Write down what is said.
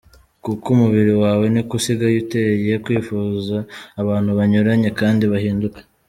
Kuko umubiri wawe niko usigaye uteye: Kwifuza abantu banyuranye kandi bahinduka.